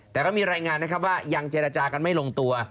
แต่ก็มีรายงานนะครับว่ายังเจรจากันไม่ลงตัว